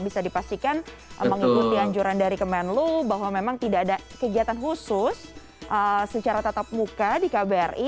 bisa dipastikan mengikuti anjuran dari kemenlu bahwa memang tidak ada kegiatan khusus secara tatap muka di kbri